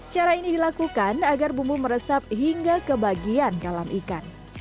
cara ini dilakukan agar bumbu meresap hingga ke bagian dalam ikan